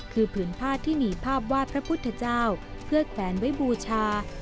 คือผืนผ้าที่มีภาพวาดพระพุทธเจ้าเพื่อแขวนไว้บูชา